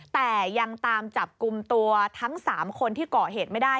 แต่ยังตามจับกลุ่มตัวทั้ง๓คนที่เกาะเหตุไม่ได้